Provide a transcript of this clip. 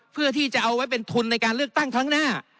เพื่อที่จะเอาไว้เป็นทุนในการเลือกตั้งครั้งหน้า